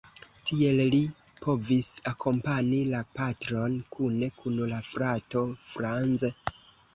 Tiel li povis akompani la patron kune kun la frato Franz.